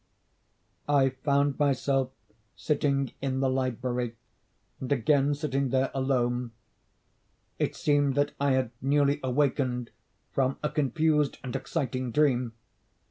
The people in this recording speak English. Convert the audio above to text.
I found myself sitting in the library, and again sitting there alone. It seemed that I had newly awakened from a confused and exciting dream.